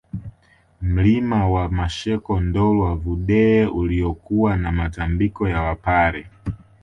Mlima wa Masheko Ndolwa Vudee uliokuwa na Matambiko ya Wapare